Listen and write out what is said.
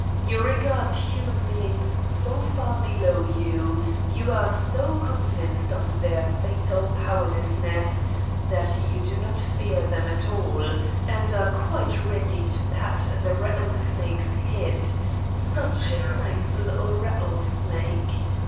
You regard human beings so far below you, you are so con vinced of their fatal powerlessness that you do not fear them at all and are quite ready to pat the rattlesnake's head: such a nice little rattlesnake!